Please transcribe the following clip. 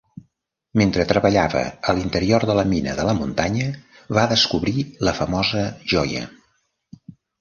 Mentre treballava a l'interior de la mina de la muntanya va descobrir la famosa joia.